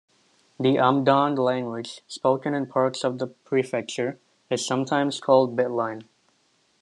The Amdang language, spoken in parts of the prefecture, is sometimes called "Biltine".